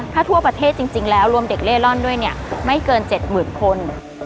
ถ้าทั่วประเทศจริงแล้วรวมเด็กเล่ร่อนด้วยเนี่ยไม่เกิน๗๐๐คน